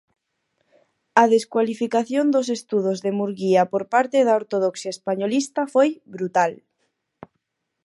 A descualificación dos estudos de Murguía por parte da ortodoxia españolista foi brutal.